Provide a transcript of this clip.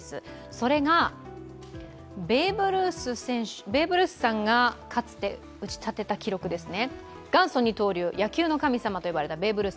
それがベーブ・ルースさんがかつて打ち立てた記録ですね。